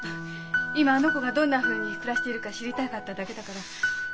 今あの子がどんなふうに暮らしているか知りたかっただけだから。